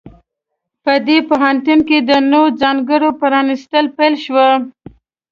په دې پوهنتون کې د نوو څانګو پرانیستل پیل شوي